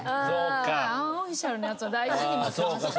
アンオフィシャルのやつを大事に持ってました。